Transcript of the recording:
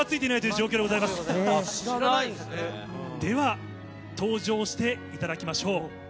では登場していただきましょう。